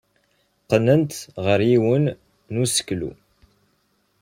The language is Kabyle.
Qqnen-t ɣer yiwen n useklu.